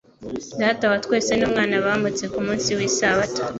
Data wa twese n'Umwana bamhutse ku munsi w'isabato.